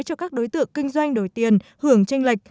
cho các đối tượng kinh doanh đổi tiền hưởng tranh lệch